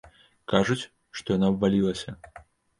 Кажуць, што яна абвалілася.